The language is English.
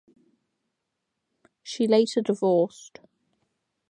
She later divorced.